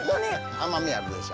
甘みあるでしょ。